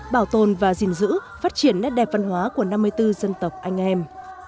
bảo tồn và gìn giữ phát triển đất đẹp văn hóa của năm mươi bốn dân tộc anh em